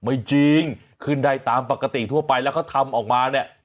ไม่จริงขึ้นได้ตามปกติทั่วไปแล้วเขาทำออกมาเนี่ย